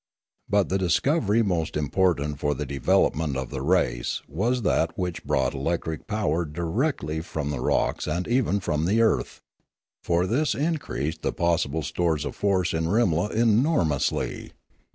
But the discovery most important for the development of the race was that which brought electric power directly from the rocks and even from the earth. For this increased the pos sible store of force in Rimla enormously.